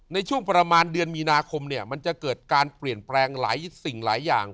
ในช่วงประมาณเดือนมีนาคมเนี่ยมันจะเกิดการเปลี่ยนแปลงหลายสิ่งหลายอย่าง